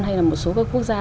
hay là một số các quốc gia